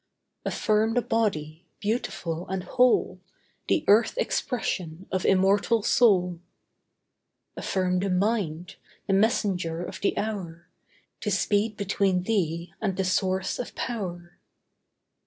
Affirm the body, beautiful and whole, The earth expression of immortal soul. Affirm the mind, the messenger of the hour, To speed between thee and the source of power.